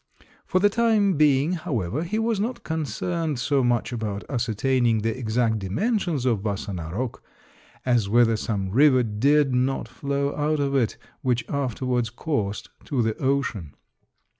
For the time being, however, he was not concerned so much about ascertaining the exact dimensions of Bassa Narok as whether some river did not flow out of it, which afterwards coursed to the ocean.